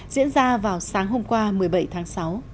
diễn ra vào sáng hôm qua một mươi bảy tháng sáu